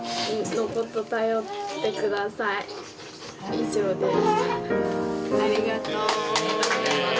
以上です。